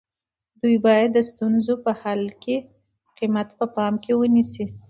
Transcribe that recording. دوی باید د ستونزو په حل کې قیمت په پام کې ونیسي.